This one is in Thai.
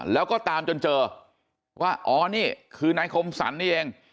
แล้วก็ตามจนเจอว่าอ๋อนี่คือนายคมสรรนี่เอง